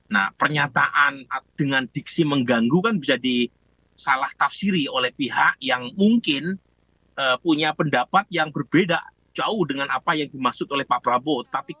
nah pernyataan dengan diksi mengganggu kan bisa disalah tafsiri oleh pihak yang mungkin punya pendapat yang berbeda jauh dengan apa yang dimaksud oleh pak prabowo